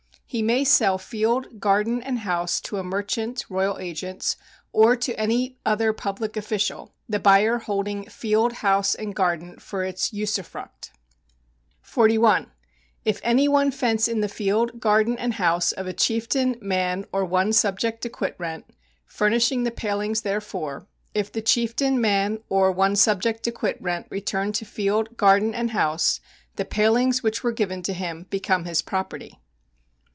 He may sell field, garden and house to a merchant [royal agents] or to any other public official, the buyer holding field, house and garden for its usufruct. 41. If any one fence in the field, garden and house of a chieftain, man or one subject to quit rent, furnishing the palings therefor; if the chieftain, man or one subject to quit rent return to field, garden and house, the palings which were given to him become his property.